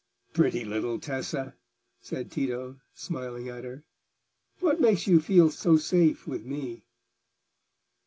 "Pretty little Tessa!" said Tito, smiling at her. "What makes you feel so safe with me?"